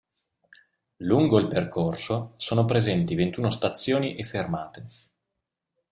Lungo il percorso sono presenti ventuno stazioni e fermate.